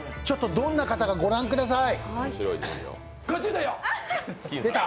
どんな方かご覧ください。